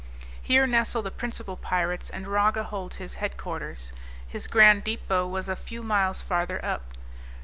Here nestle the principal pirates, and Raga holds his head quarters; his grand depot was a few miles farther up.